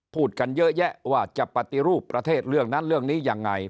พูดกันเยอะแยะว่าจะปฏิรูปประเทศเรื่องนั้นเรื่องนี้ยังไง